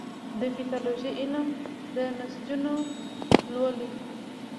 د پیتالوژي علم د نسجونه لولي.